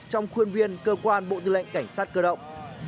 trong khuôn viên cơ quan bộ tư lệnh cảnh sát cơ động